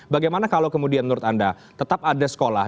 bagaimana kalau kemudian menurut anda tetap ada sekolah